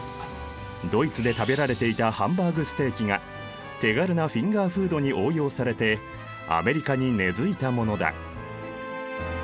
ドイツで食べられていたハンバーグ・ステーキが手軽なフィンガーフードに応用されてアメリカに根づいたものだ。